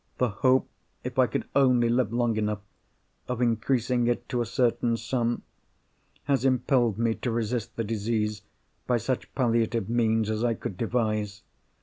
The hope, if I could only live long enough, of increasing it to a certain sum, has impelled me to resist the disease by such palliative means as I could devise.